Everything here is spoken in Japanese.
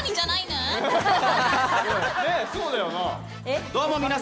ねぇそうだよな。